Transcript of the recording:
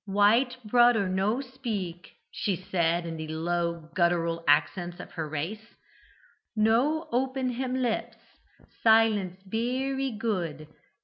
"'White broder no speak,' she said, in the low guttural accents of her race; 'no open him lips. Silence berry good.